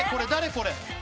これ。